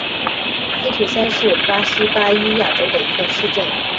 森图塞是巴西巴伊亚州的一个市镇。